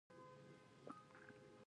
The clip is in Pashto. د سرې میاشتې ټولنه مرستې کوي